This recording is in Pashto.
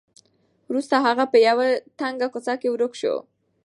وروسته هغه په یوه تنګه کوڅه کې ورک شو.